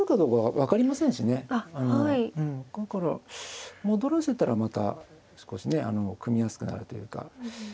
うんだから戻らせたらまた少しね組みやすくなるというか。